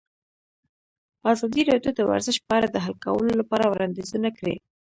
ازادي راډیو د ورزش په اړه د حل کولو لپاره وړاندیزونه کړي.